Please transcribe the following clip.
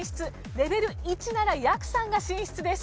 レベル１ならやくさんが進出です。